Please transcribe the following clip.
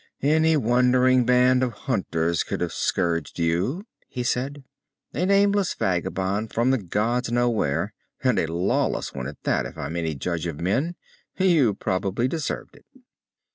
"Any wandering band of hunters could have scourged you," he said. "A nameless vagabond from the gods know where, and a lawless one at that, if I'm any judge of men you probably deserved it."